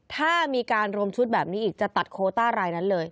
ถ้ามีการรวมชุดแบบนี้อีกจะตัดโคต้ารายนั้นเลย